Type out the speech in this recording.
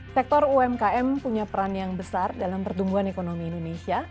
sektor umkm punya peran yang besar dalam pertumbuhan ekonomi indonesia